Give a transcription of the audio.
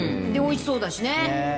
おいしそうだしね。